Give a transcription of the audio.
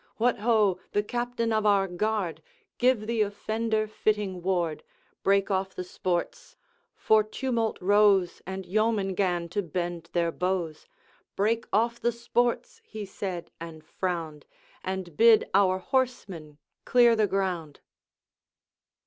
What ho! the Captain of our Guard! Give the offender fitting ward. Break off the sports!' for tumult rose, And yeomen 'gan to bend their bows, 'Break off the sports!' he said and frowned, 'And bid our horsemen clear the ground.'